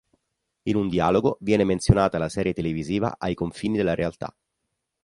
In un dialogo viene menzionata la serie televisiva "Ai confini della realtà".